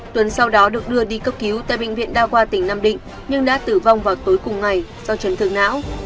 tuấn sau đó được đưa đi cấp cứu tại bệnh viện đao qua tỉnh nam định nhưng đã tử vong vào tối cùng ngày do chấn thức não